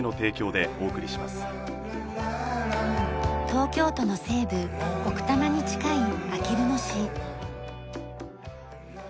東京都の西部奥多摩に近いあきる野市。